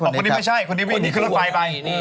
คนนี้ไม่ใช่คนนี้วิ่งหนีขึ้นรถไฟไป